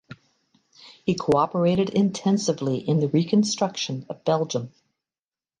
He cooperated intensively in the reconstruction of Belgium.